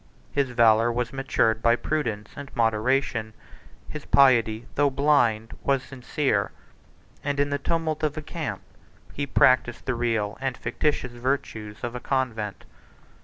His valor was matured by prudence and moderation; his piety, though blind, was sincere; and, in the tumult of a camp, he practised the real and fictitious virtues of a convent.